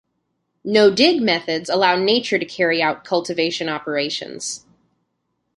No-dig methods allow nature to carry out cultivation operations.